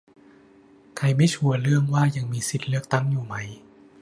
ใครไม่ชัวร์เรื่องว่ายังมีสิทธิ์เลือกตั้งอยู่ไหม